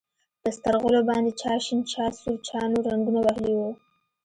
په سترغلو باندې چا شين چا سور چا نور رنګونه وهلي وو.